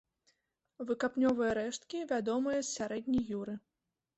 Выкапнёвыя рэшткі вядомыя з сярэдняй юры.